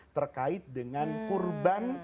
terkait dengan kurban